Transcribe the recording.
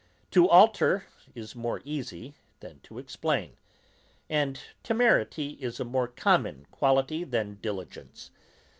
To alter is more easy than to explain, and temerity is a more common quality than diligence.